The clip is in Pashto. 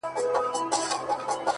سوخ خوان سترگو كي بيده ښكاري _